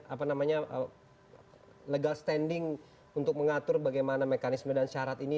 apa namanya legal standing untuk mengatur bagaimana mekanisme dan syarat ini